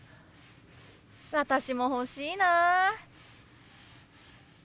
私も欲しいな。